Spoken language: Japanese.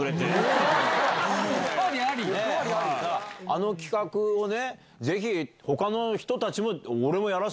あの企画をぜひ他の人たちも。